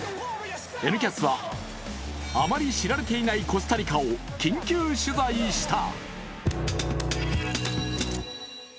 「Ｎキャス」はあまり知られていないコスタリカを緊急取材した。